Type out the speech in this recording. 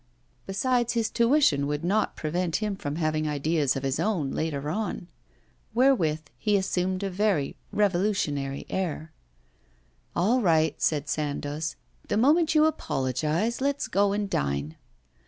Besides his tuition would not prevent him from having ideas of his own, later on. Wherewith he assumed a very revolutionary air. 'All right,' said Sandoz, 'the moment you apologise, let's go and dine.